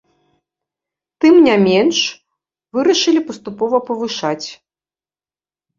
Тым не менш, вырашылі паступова павышаць.